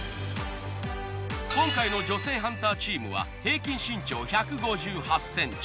今回の女性ハンターチームは平均身長１５８ｃｍ。